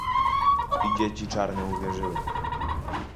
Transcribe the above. "I dzieci czarne uwierzyły."